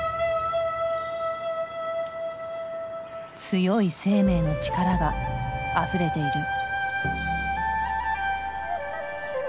強い生命の力があふれている。